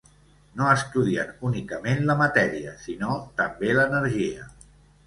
No estudien únicament la matèria sinó també l'energia.